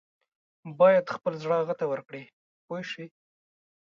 باید خپل زړه هغه ته ورکړې پوه شوې!.